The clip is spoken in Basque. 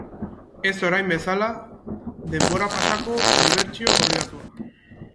Ez orain bezala, denporapasako libertsio obligatua.